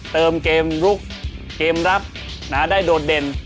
เติมเกมลุกเกมรับได้โดดเด่น